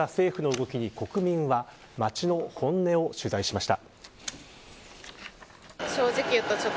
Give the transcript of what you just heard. こうした政府の動きに国民は街の本音を取材しました。